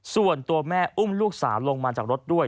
ส่วนตัวแม่อุ้มลูกสาวลงมาจากรถด้วย